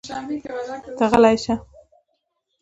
ته غلی شه!